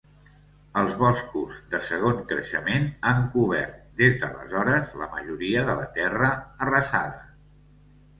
Els boscos de segon creixement han cobert des d'aleshores la majoria de la terra arrasada.